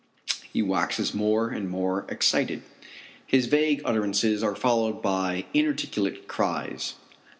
He waxes more and more excited. His vague utterances are followed by inarticulate cries.